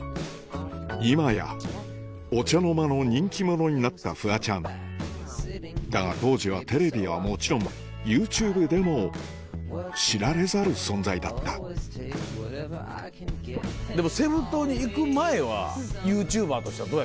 今やお茶の間の人気者になったフワちゃんだが当時はテレビはもちろんＹｏｕＴｕｂｅでも知られざる存在だったでもセブ島に行く前はＹｏｕＴｕｂｅｒとしてはどうやったの？